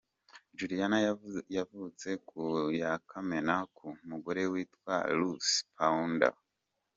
Julian yavutse ku ya kamena , ku mugore witwa Lucy Pounder ;.